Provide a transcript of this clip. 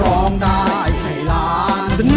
ร้องได้ให้ล้าน